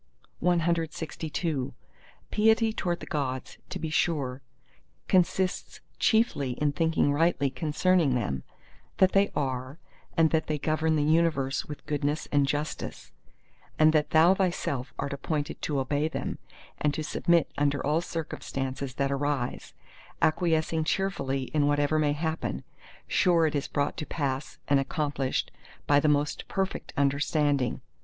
CLXIII Piety toward the Gods, to be sure, consists chiefly in thinking rightly concerning them—that they are, and that they govern the Universe with goodness and justice; and that thou thyself art appointed to obey them, and to submit under all circumstances that arise; acquiescing cheerfully in whatever may happen, sure it is brought to pass and accomplished by the most Perfect Understanding.